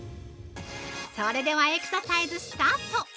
◆それではエクササイズスタート！